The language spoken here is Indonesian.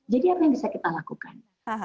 jadi apa yang bisa kita lakukan